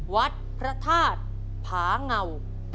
วัดพระธาตุผาเงา